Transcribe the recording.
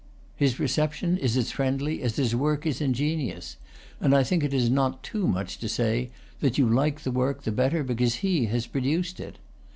His reception is as friendly as his work is ingenious; and I think it is not too much to say that you like the work the better be cause he has produced it.